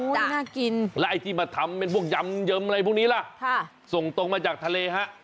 น่ากินแล้วไอ้ที่มาทำเป็นพวกยำเยิมอะไรพวกนี้ล่ะส่งตรงมาจากทะเลฮะ